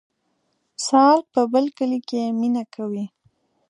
سالک په بل کلي کې مینه کوي